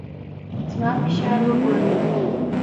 زما فشار وګورئ.